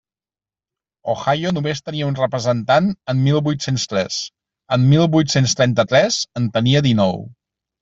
Ohio només tenia un representant en mil vuit-cents tres; en mil vuit-cents trenta-tres en tenia dinou.